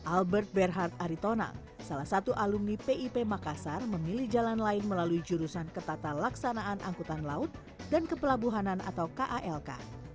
albert berhard aritona salah satu alumni pip makassar memilih jalan lain melalui jurusan ketata laksanaan angkutan laut dan kepelabuhanan atau kalk